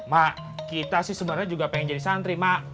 mbak kita sih sebenernya juga pengen jadi santri mbak